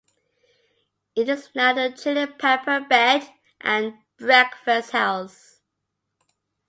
It is now the Chilli Pepper bed and breakfast house.